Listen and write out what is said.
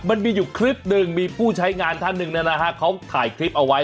มันมีอยู่คลิปหนึ่งมีผู้ใช้งานท่านหนึ่งนะฮะเขาถ่ายคลิปเอาไว้